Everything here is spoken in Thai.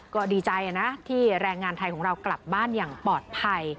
ก็ดีใจนะที่แรงงานไทยของเรากลับบ้านอย่างปลอดภัย